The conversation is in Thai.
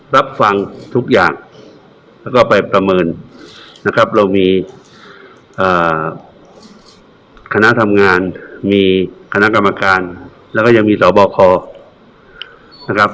รับฟังทุกอย่างแล้วก็ไปประเมินนะครับเรามีคณะทำงานมีคณะกรรมการแล้วก็ยังมีสบคนะครับ